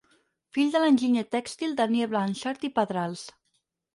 Fill de l'enginyer tèxtil Daniel Blanxart i Pedrals.